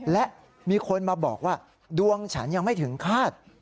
และมีคนมาบอกว่าดวงฉันยังไม่ถึงคาด